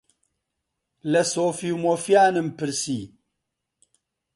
لە سۆفی و مۆفیانم پرسی: